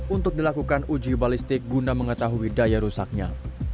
untuk dilakukan uji balistik guna mengetahui daya rusaknya